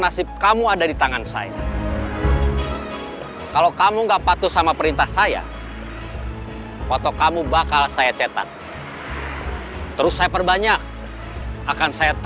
abis ini sarapan yang sebenarnya